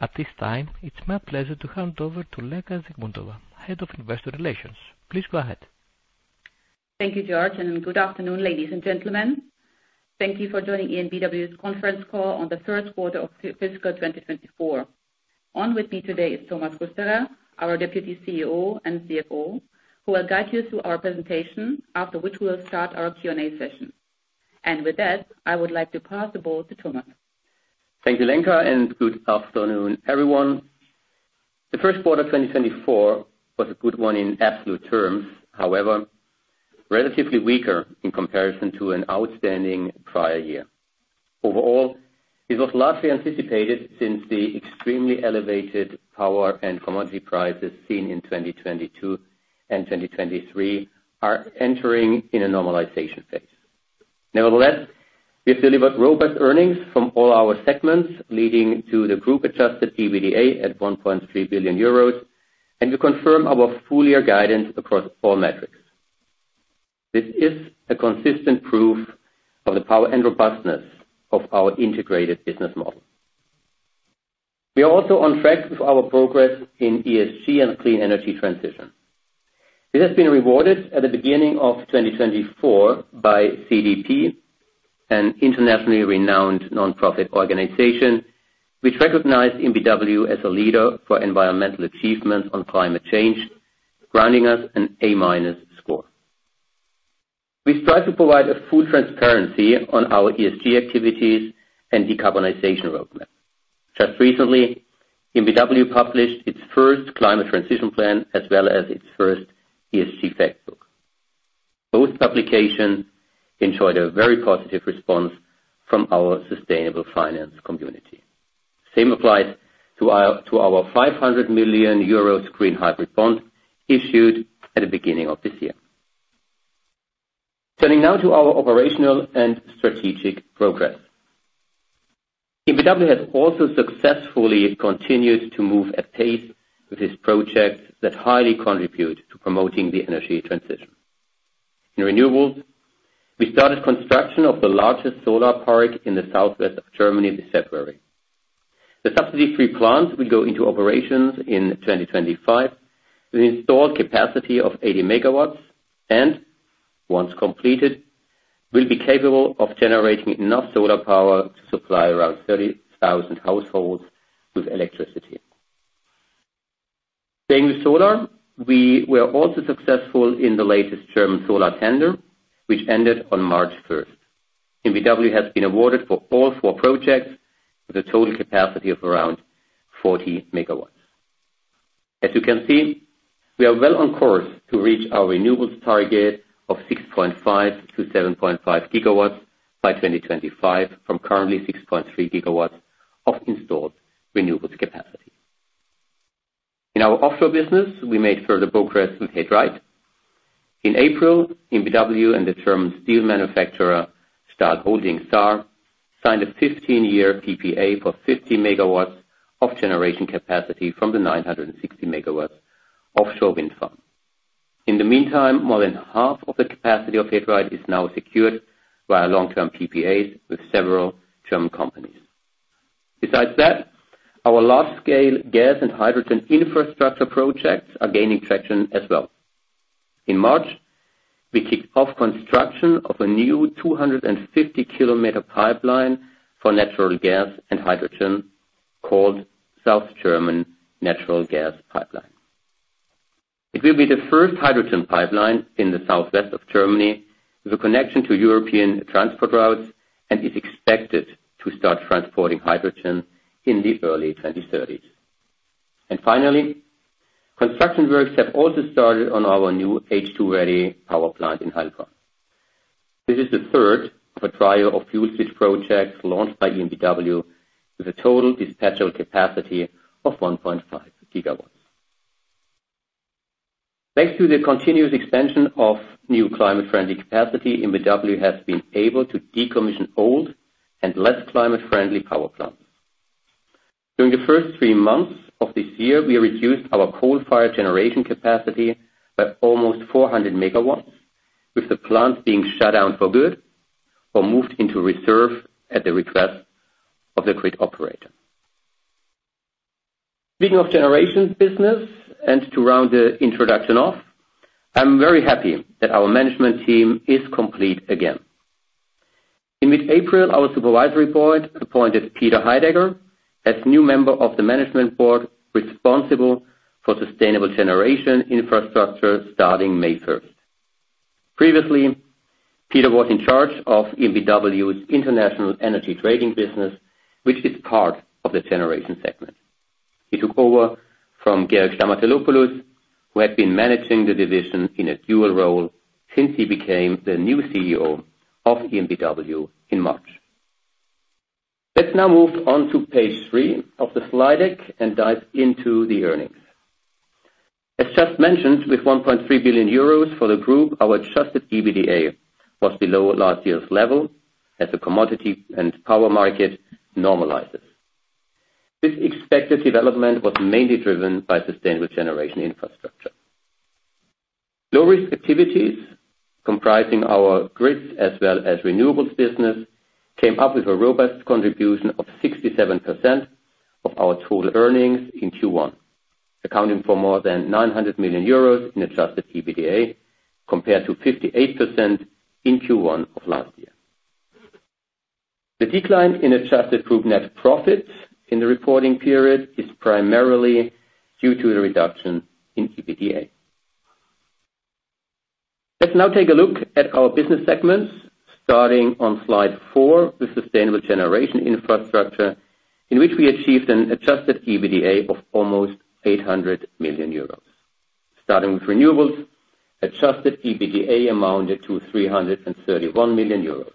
At this time, it's my pleasure to hand over to Lenka Zikmundová, Head of Investor Relations. Please go ahead. Thank you, Georg, and good afternoon, ladies and gentlemen. Thank you for joining EnBW's conference call on the third quarter of FY 2024. On with me today is Thomas Kusterer, our Deputy CEO and CFO, who will guide you through our presentation, after which we will start our Q&A session. With that, I would like to pass the ball to Thomas. Thank you, Lenka, and good afternoon, everyone. The first quarter 2024 was a good one in absolute terms, however relatively weaker in comparison to an outstanding prior year. Overall, this was largely anticipated since the extremely elevated power and commodity prices seen in 2022 and 2023 are entering in a normalization phase. Nevertheless, we have delivered robust earnings from all our segments, leading to the Group-Adjusted EBITDA at 1.3 billion euros, and we confirm our full-year guidance across all metrics. This is a consistent proof of the power and robustness of our integrated business model. We are also on track with our progress in ESG and clean energy transition. This has been rewarded at the beginning of 2024 by CDP, an internationally renowned nonprofit organization, which recognized EnBW as a leader for environmental achievements on climate change, granting us an A-minus score. We strive to provide full transparency on our ESG activities and decarbonization roadmap. Just recently, EnBW published its first Climate Transition Plan as well as its first ESG Factbook. Both publications enjoyed a very positive response from our sustainable finance community. Same applies to our 500 million euro green hybrid Bond issued at the beginning of this year. Turning now to our operational and strategic progress. EnBW has also successfully continued to move at pace with its projects that highly contribute to promoting the energy transition. In renewables, we started construction of the largest solar park in the southwest of Germany this February. The subsidy-free plants will go into operations in 2025 with an installed capacity of 80 MW and, once completed, will be capable of generating enough solar power to supply around 30,000 households with electricity. Staying with solar, we were also successful in the latest German solar tender, which ended on March 1st. EnBW has been awarded for all four projects with a total capacity of around 40 MW. As you can see, we are well on course to reach our renewables target of 6.5-7.5 GW by 2025 from currently 6.3 GW of installed renewables capacity. In our offshore business, we made further progress with He Dreiht. In April, EnBW and the German steel manufacturer SHS – Stahl-Holding-Saar signed a 15-year PPA for 50 MW of generation capacity from the 960 MW offshore wind farm. In the meantime, more than half of the capacity of He Dreiht is now secured via long-term PPAs with several German companies. Besides that, our large-scale gas and hydrogen infrastructure projects are gaining traction as well. In March, we kicked off construction of a new 250 km pipeline for natural gas and hydrogen called South German Natural Gas Pipeline. It will be the first hydrogen pipeline in the southwest of Germany with a connection to European transport routes and is expected to start transporting hydrogen in the early 2030s. Finally, construction works have also started on our new H2-ready power plant in Heilbronn. This is the third of a trio of fuel switch projects launched by EnBW with a total dispatchable capacity of 1.5 GW. Thanks to the continuous expansion of new climate-friendly capacity, EnBW has been able to decommission old and less climate-friendly power plants. During the first three months of this year, we reduced our coal-fired generation capacity by almost 400 MW, with the plants being shut down for good or moved into reserve at the request of the grid operator. Speaking of generation business and to round the introduction off, I'm very happy that our management team is complete again. In mid-April, our Supervisory Board appointed Peter Heydecker as new member of the Management Board responsible for Sustainable Generation Infrastructure starting May 1st. Previously, Peter was in charge of EnBW's international energy trading business, which is part of the generation segment. He took over from Georg Stamatelopoulos, who had been managing the division in a dual role since he became the new CEO of EnBW in March. Let's now move on to page three of the slide deck and dive into the earnings. As just mentioned, with 1.3 billion euros for the group, our Adjusted EBITDA was below last year's level as the commodity and power market normalizes. This expected development was mainly driven by Sustainable Generation Infrastructure. Low-risk activities comprising our grids as well as renewables business came up with a robust contribution of 67% of our total earnings in Q1, accounting for more than 900 million euros in Adjusted EBITDA compared to 58% in Q1 of last year. The decline in adjusted group net profit in the reporting period is primarily due to the reduction in EBITDA. Let's now take a look at our business segments starting on slide 4 with Sustainable Generation Infrastructure, in which we achieved an Adjusted EBITDA of almost 800 million euros. Starting with renewables, Adjusted EBITDA amounted to 331 million euros.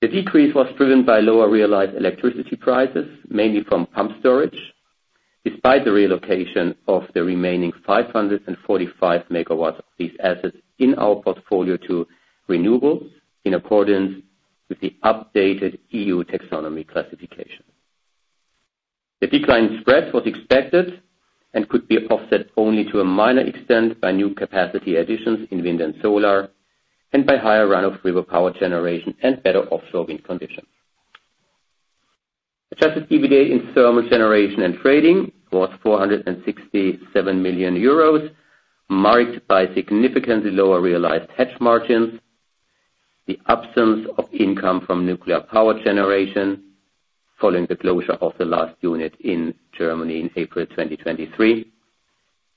The decrease was driven by lower realized electricity prices, mainly from pumped storage, despite the relocation of the remaining 545 MW of these assets in our portfolio to renewables in accordance with the updated EU Taxonomy classification. The decline spread was expected and could be offset only to a minor extent by new capacity additions in wind and solar and by higher run-of-river power generation and better offshore wind conditions. Adjusted EBITDA in Thermal Generation and Trading was 467 million euros, marked by significantly lower realized hedge margins, the absence of income from nuclear power generation following the closure of the last unit in Germany in April 2023,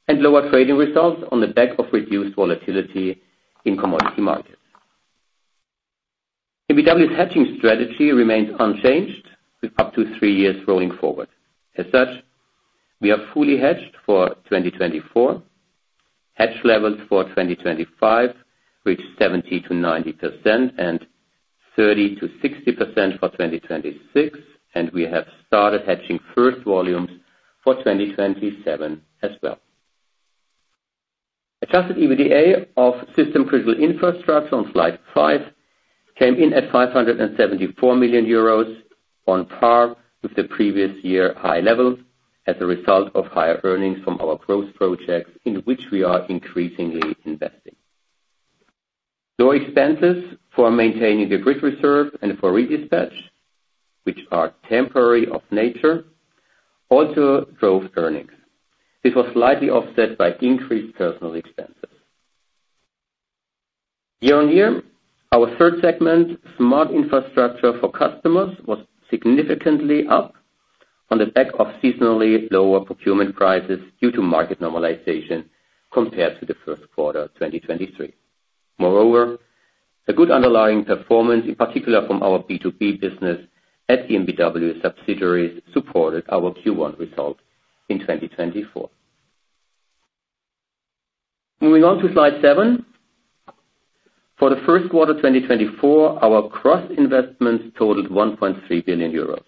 and lower trading results on the back of reduced volatility in commodity markets. EnBW's hedging strategy remains unchanged with up to three years rolling forward. As such, we are fully hedged for 2024. Hedge levels for 2025 reach 70%-90% and 30%-60% for 2026, and we have started hedging first volumes for 2027 as well. Adjusted EBITDA of System Critical Infrastructure on slide five came in at 574 million euros on par with the previous year high levels as a result of higher earnings from our growth projects in which we are increasingly investing. Lower expenses for maintaining the grid reserve and for redispatch, which are temporary of nature, also drove earnings. This was slightly offset by increased personnel expenses. YoY, our third segment, Smart Infrastructure for Customers, was significantly up on the back of seasonally lower procurement prices due to market normalization compared to the first quarter 2023. Moreover, a good underlying performance, in particular from our B2B business at EnBW subsidiaries, supported our Q1 result in 2024. Moving on to slide seven. For the first quarter 2024, our gross investments totaled 1.3 billion euros.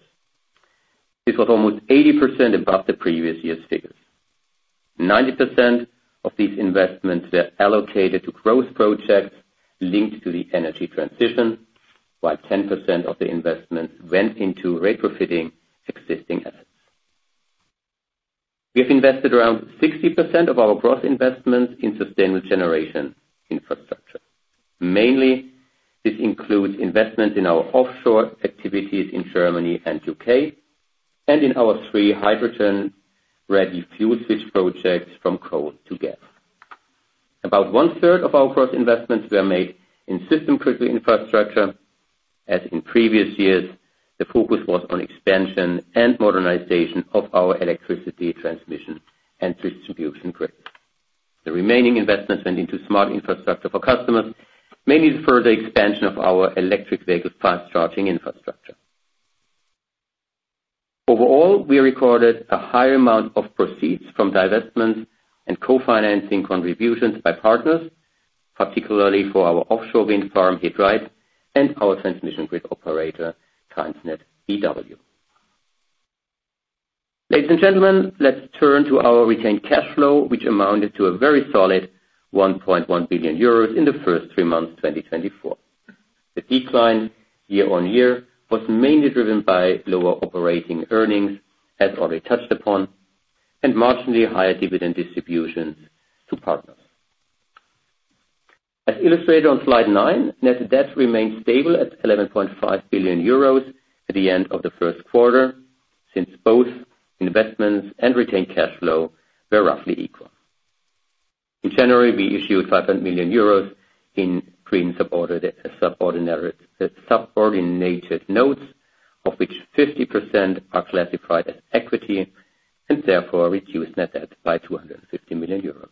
This was almost 80% above the previous year's figures. 90% of these investments were allocated to growth projects linked to the energy transition, while 10% of the investments went into rate-regulated existing assets. We have invested around 60% of our gross investments in Sustainable Generation Infrastructure. Mainly, this includes investments in our offshore activities in Germany and U.K. and in our 3 hydrogen-ready fuel switch projects from coal to gas. About 1/3 of our gross investments were made in System Critical Infrastructure. As in previous years, the focus was on expansion and modernization of our electricity transmission and distribution grids. The remaining investments went into Smart Infrastructure for Customers, mainly the further expansion of our electric vehicle fast charging infrastructure. Overall, we recorded a higher amount of proceeds from divestments and co-financing contributions by partners, particularly for our offshore wind farm He Dreiht and our transmission grid operator TransnetBW. Ladies and gentlemen, let's turn to our retained cash flow, which amounted to a very solid 1.1 billion euros in the first three months 2024. The decline YoY was mainly driven by lower operating earnings, as already touched upon, and marginally higher dividend distributions to partners. As illustrated on slide nine, net debt remained stable at 11.5 billion euros at the end of the first quarter since both investments and retained cash flow were roughly equal. In January, we issued 500 million euros in perpetual subordinated notes, of which 50% are classified as equity and therefore reduced net debt by 250 million euros.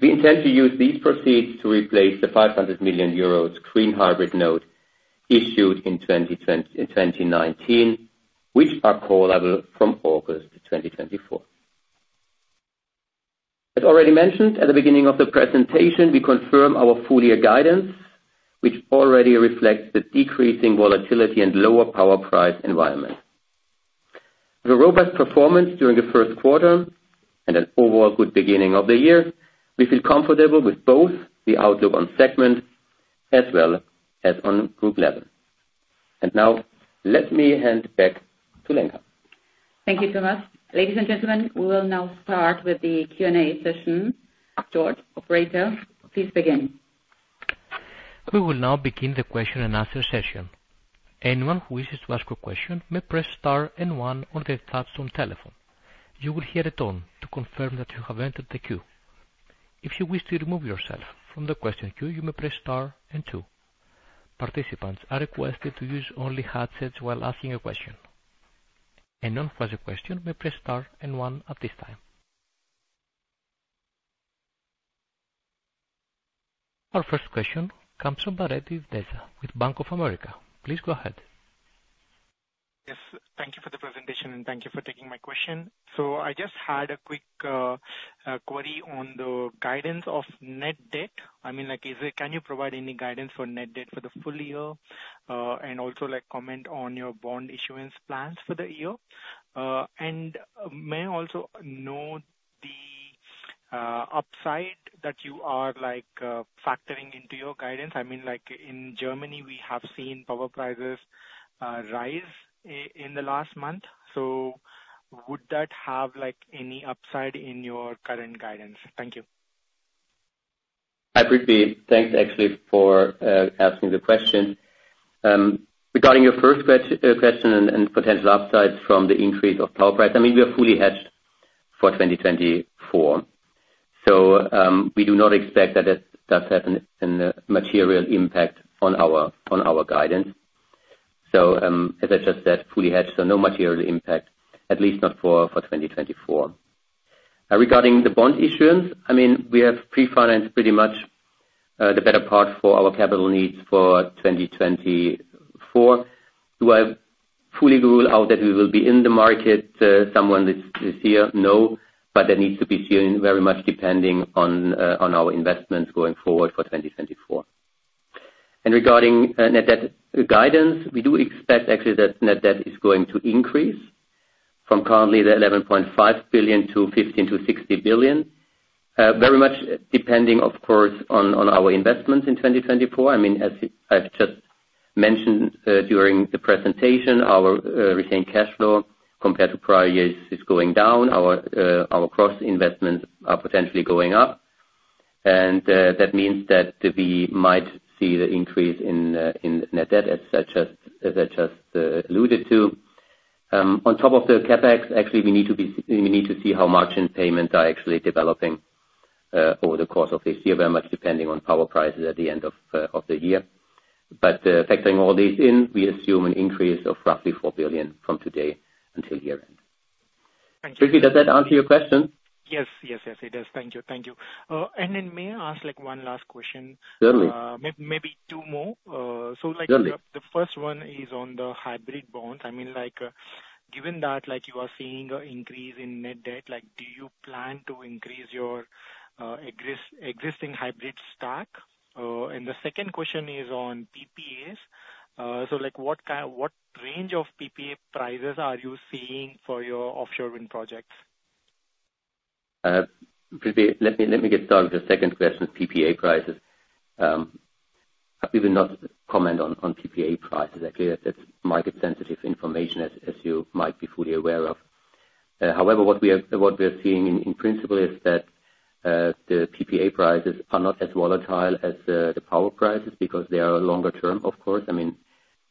We intend to use these proceeds to replace the 500 million euros green hybrid note issued in 2019, which are callable from August 2024. As already mentioned at the beginning of the presentation, we confirm our full-year guidance, which already reflects the decreasing volatility and lower power price environment. With a robust performance during the first quarter and an overall good beginning of the year, we feel comfortable with both the outlook on segments as well as on group level. And now, let me hand back to Lenka. Thank you so much. Ladies and gentlemen, we will now start with the Q&A session. Georg, operator, please begin. We will now begin the question and answer session. Anyone who wishes to ask a question may press star and one on their touch-tone telephone. You will hear a tone to confirm that you have entered the queue. If you wish to remove yourself from the question queue, you may press star and two. Participants are requested to use only headsets while asking a question. Anyone who has a question may press star and one at this time. Our first question comes from Bartek Deza with Bank of America. Please go ahead. Yes. Thank you for the presentation, and thank you for taking my question. So I just had a quick query on the guidance of net debt. I mean, can you provide any guidance for net debt for the full year and also comment on your bond issuance plans for the year? And may I also note the upside that you are factoring into your guidance? I mean, in Germany, we have seen power prices rise in the last month. So would that have any upside in your current guidance? Thank you. I appreciate it. Thanks, actually, for asking the question. Regarding your first question and potential upsides from the increase of power price, I mean, we are fully hedged for 2024. So we do not expect that that does have a material impact on our guidance. So as I just said, fully hedged, so no material impact, at least not for 2024. Regarding the bond issuance, I mean, we have pre-financed pretty much the better part for our capital needs for 2024. Do I fully rule out that we will be in the market sometime this year? No, but that needs to be seen very much depending on our investments going forward for 2024. And regarding net debt guidance, we do expect, actually, that net debt is going to increase from currently 11.5 billion to 15-16 billion, very much depending, of course, on our investments in 2024. I mean, as I've just mentioned during the presentation, our retained cash flow compared to prior years is going down. Our gross investments are potentially going up. And that means that we might see the increase in net debt, as I just alluded to. On top of the CapEx, actually, we need to see how margin payments are actually developing over the course of this year, very much depending on power prices at the end of the year. But factoring all these in, we assume an increase of roughly 4 billion from today until year-end. Thank you. Appreciate that answer to your question. Yes, yes, yes, it does. Thank you. Thank you. And then may I ask one last question? Certainly. Maybe two more. So the first one is on the hybrid bonds. I mean, given that you are seeing an increase in net debt, do you plan to increase your existing hybrid stock? And the second question is on PPAs. So what range of PPA prices are you seeing for your offshore wind projects? Let me get started with the second question, PPA prices. I'll even not comment on PPA prices, actually. That's market-sensitive information, as you might be fully aware of. However, what we are seeing in principle is that the PPA prices are not as volatile as the power prices because they are longer-term, of course. I mean,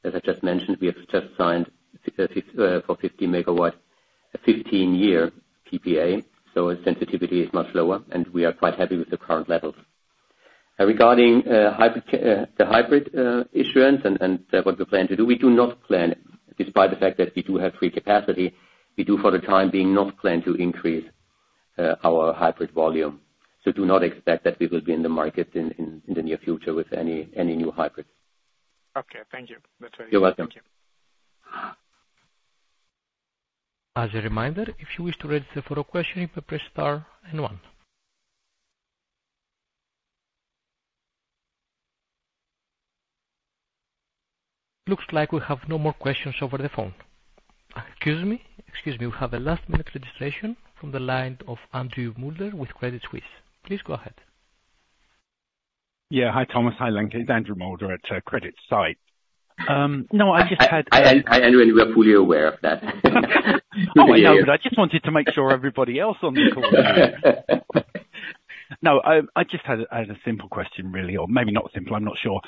as I just mentioned, we have just signed for 50 MW a 15-year PPA, so sensitivity is much lower, and we are quite happy with the current levels. Regarding the hybrid issuance and what we plan to do, we do not plan, despite the fact that we do have free capacity, we do, for the time being, not plan to increase our hybrid volume. So do not expect that we will be in the market in the near future with any new hybrid. Okay. Thank you. That's very helpful. You're welcome. Thank you. As a reminder, if you wish to register for a question, you may press star and one. Looks like we have no more questions over the phone. Excuse me. Excuse me. We have a last-minute registration from the line of Andrew Moulder with CreditSights. Please go ahead. Yeah. Hi, Thomas. Hi, Lenka. It's Andrew Moulder at CreditSights. No, I just had. Hi, Andrew. And we are fully aware of that. Oh, my God. I just wanted to make sure everybody else on the call is here. No, I just had a simple question, really, or maybe not simple. I'm not sure.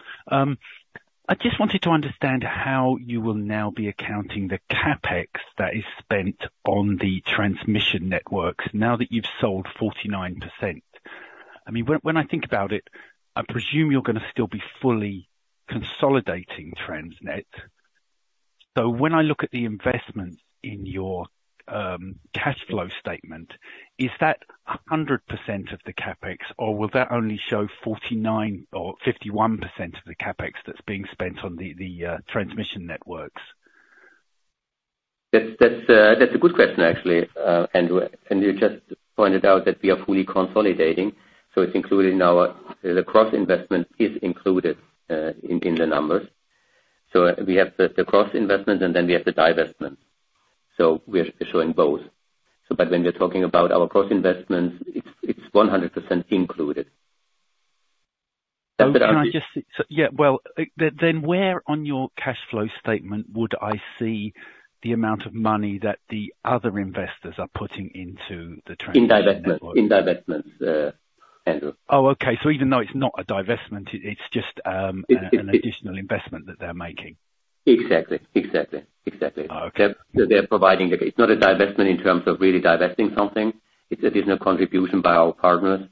I just wanted to understand how you will now be accounting the CapEx that is spent on the transmission networks now that you've sold 49%. I mean, when I think about it, I presume you're going to still be fully consolidating Transnet. So when I look at the investments in your cash flow statement, is that 100% of the CapEx, or will that only show 49% or 51% of the CapEx that's being spent on the transmission networks? That's a good question, actually, Andrew. And you just pointed out that we are fully consolidating. So it's included in our, the gross investment is included in the numbers. So we have the gross investments, and then we have the divestments. So we are showing both. But when we're talking about our gross investments, it's 100% included. That's what I was going to ask. Yeah. Well, then where on your cash flow statement would I see the amount of money that the other investors are putting into the transmission networks? In divestments. In divestments, Andrew. Oh, okay. So even though it's not a divestment, it's just an additional investment that they're making. Exactly. Exactly. Exactly. They're providing it's not a divestment in terms of really divesting something. It's an additional contribution by our partners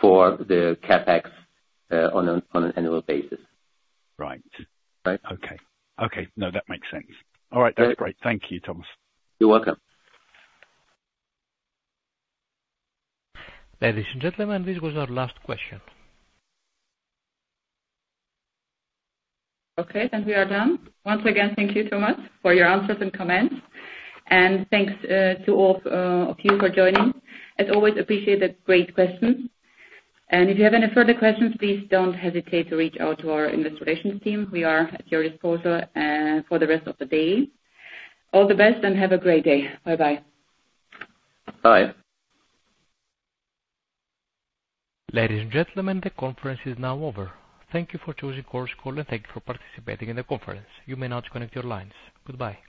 for the CapEx on an annual basis. Right. Right? Okay. Okay. No, that makes sense. All right. That's great. Thank you, Thomas. You're welcome. Ladies and gentlemen, this was our last question. Okay. Then we are done. Once again, thank you so much for your answers and comments. And thanks to all of you for joining. As always, appreciate the great questions. And if you have any further questions, please don't hesitate to reach out to our investor relations team. We are at your disposal for the rest of the day. All the best, and have a great day. Bye-bye. Bye. Ladies and gentlemen, the conference is now over. Thank you for choosing Chorus Call, and thank you for participating in the conference. You may now disconnect your lines. Goodbye.